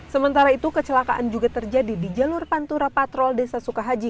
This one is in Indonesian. sementara itu kecelakaan juga terjadi di jalur pantura patrol desa sukahaji